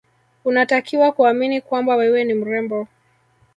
Unatakiwa kuamini kwamba wewe ni mrembo